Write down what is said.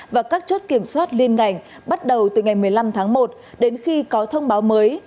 và các chốt kiểm soát liên ngành bắt đầu từ ngày một mươi năm tháng một đến khi có thông báo mới